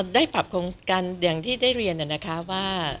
ได้ปรับคงกันอย่างที่ได้เรียนเนี่ยนะคะว่า